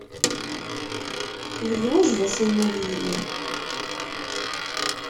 D lwaǧeb asirem ad yili